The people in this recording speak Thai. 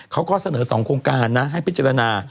เขาก็เสนอ๒โครงการนะให้พิจารณา